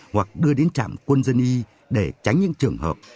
hoặc đưa đến trạm quân dân y để tránh những trường hợp